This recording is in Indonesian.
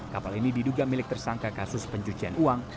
kapal ini diduga milik tersangka kasus pencucian uang